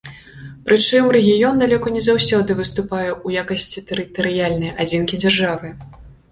Прычым рэгіён далёка не заўсёды выступае ў якасці тэрытарыяльнай адзінкі дзяржавы.